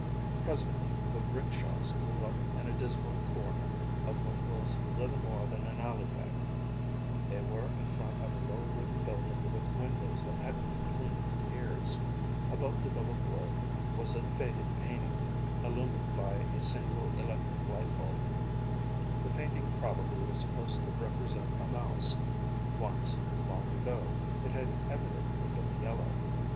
Presently the rickshaws drew up in a dismal corner of what was little more than an alleyway. They were in front of a low wooden building with windows that hadn't been cleaned in years. Above the double door was a faded painting, illumined by a single electric light bulb. The painting probably was supposed to represent a mouse. Once, long ago, it had evidently been yellow.